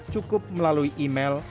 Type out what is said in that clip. cukup melalui email